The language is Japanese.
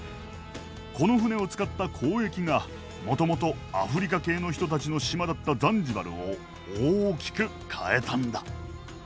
この船を使った交易がもともとアフリカ系の人たちの島だったザンジバルを大きく変えたんだ。